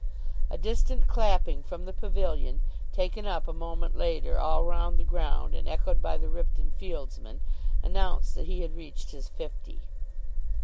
A distant clapping from the pavilion, taken up a moment later all round the ground, and echoed by the Ripton fieldsmen, announced that he had reached his fifty.